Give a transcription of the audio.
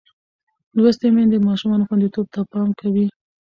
لوستې میندې د ماشوم خوندیتوب ته پام کوي.